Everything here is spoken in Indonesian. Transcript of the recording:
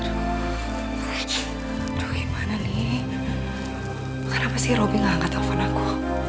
aduh gimana nih kenapa sih robby gak angkat telepon aku